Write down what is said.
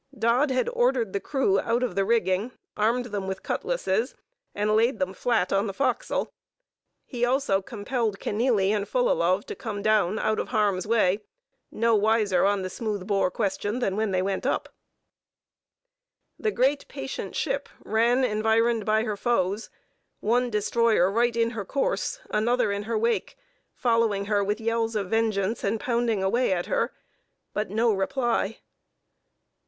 Dodd had ordered the crew out of the rigging, armed them with cutlasses, and laid them flat on the forecastle. He also compelled Kenealy and Fullalove to come down out of harm's way, no wiser on the smooth bore question than they went up. The great patient ship ran environed by her foes; one destroyer right in her course, another in her wake, following her with yells of vengeance, and pounding away at her—but no reply.